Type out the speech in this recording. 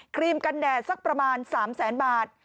รีมกันแดดสักประมาณ๓แสนบาท